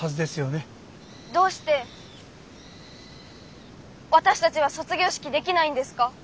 どうして私たちは卒業式できないんですか？